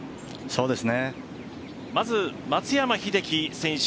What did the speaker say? まず、松山英樹選